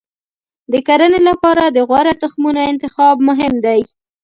د کرنې لپاره د غوره تخمونو انتخاب مهم دی.